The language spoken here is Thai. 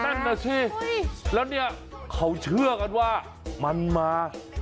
นั่นน่ะสิแล้วเนี่ยเขาเชื่อกันว่ามันมา